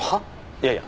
いやいや。